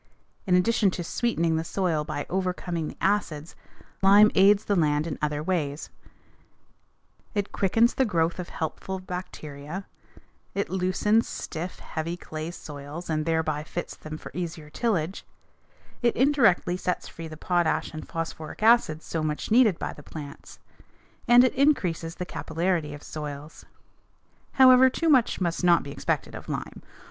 In addition to sweetening the soil by overcoming the acids, lime aids the land in other ways: it quickens the growth of helpful bacteria; it loosens stiff, heavy clay soils and thereby fits them for easier tillage; it indirectly sets free the potash and phosphoric acid so much needed by plants; and it increases the capillarity of soils. However, too much must not be expected of lime.